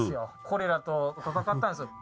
コレラと闘ったんですよ。